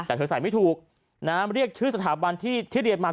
แต่เธอใส่ไม่ถูกนะเรียกชื่อสถาบันที่เรียนมา